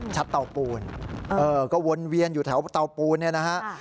เตาปูนก็วนเวียนอยู่แถวเตาปูนเนี่ยนะฮะ